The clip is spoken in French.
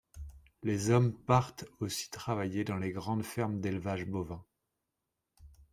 Les hommes partent aussi travailler dans les grandes fermes d'élevage bovin.